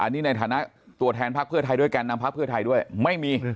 นี่ในฐานะตัวแทนพักเพื่อไทยด้วยแก่นนำพักเพื่อไทยด้วยไม่มี